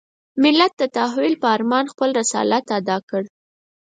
ملت د تحول په ارمان خپل رسالت اداء کړ.